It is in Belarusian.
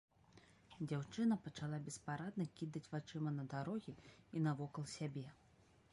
Дзяўчына пачала беспарадна кідаць вачыма на дарогі і навокал сябе.